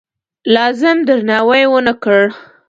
لازم درناوی ونه کړ.